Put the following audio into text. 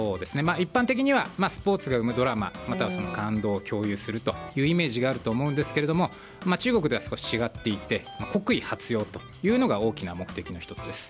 一般的にはスポーツが生むドラマまたはその感動を共有するというイメージがあると思うんですけど中国では少し違っていて国威発揚というのが大きな目的の１つです。